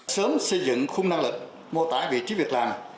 sớm xây dựng khung năng lực mô tả vị trí việc làm